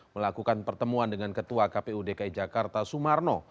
melakukan pertemuan dengan ketua kpu dki jakarta sumarno